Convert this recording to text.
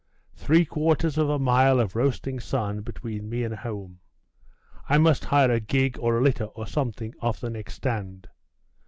Three quarters of a mile of roasting sun between me and home!.... I must hire a gig, or a litter, or some thing, off the next stand